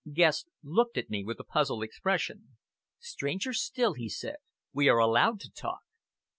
Guest looked at me with a puzzled expression. "Stranger still!" he said, "we are allowed to talk."